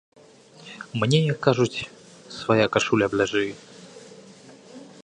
Мне, як кажуць, свая кашуля бліжэй.